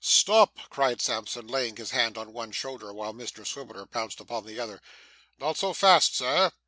'Stop!' cried Sampson, laying his hand on one shoulder, while Mr Swiveller pounced upon the other. 'Not so fast sir.